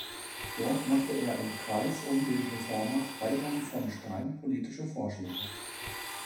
Dort machte er im Kreis um den Reformer Freiherrn vom Stein politische Vorschläge.